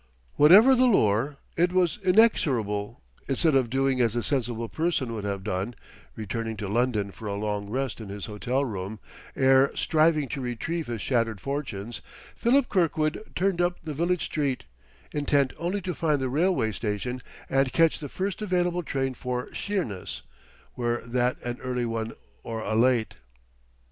Whatever the lure, it was inexorable; instead of doing as a sensible person would have done returning to London for a long rest in his hotel room, ere striving to retrieve his shattered fortunes Philip Kirkwood turned up the village street, intent only to find the railway station and catch the first available train for Sheerness, were that an early one or a late.